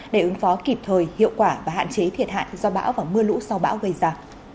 để ứng phó kịp thời hiệu quả và hạn chế thiệt hại do bão và mưa lũ sau bão gây ra